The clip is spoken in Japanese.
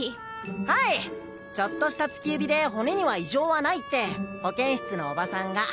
はいちょっとした突き指で骨には異常はないって保健室のオバさんが。